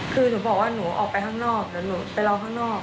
คือหนูบอกว่าหนูออกไปข้างนอกแล้วหนูไปรอข้างนอก